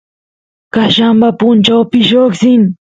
qallamba punchawpi lloqsin